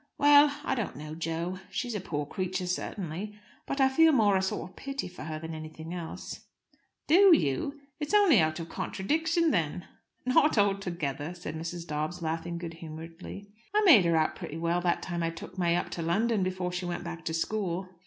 "Well I don't know, Jo. She's a poor creature, certainly. But I feel more a sort of pity for her than anything else." "Do you? It's only out of contradiction, then." "Not altogether," said Mrs. Dobbs, laughing good humouredly. "I made her out pretty well that time I took May up to London before she went back to school."